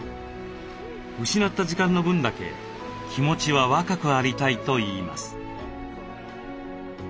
失った時間の分だけ気持ちは若くありたいといいます。